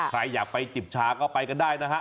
ใครอยากไปจิบชาก็ไปกันได้นะฮะ